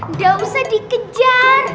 nggak usah dikejar